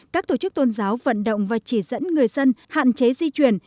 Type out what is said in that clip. các tổ chức tôn giáo vận động và chỉ dẫn người dân hạn chế di chuyển